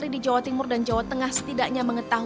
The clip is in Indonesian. dia sambil menunggu